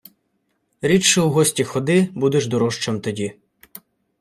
Рідше у гості ходи – будеш дорожчим тоді.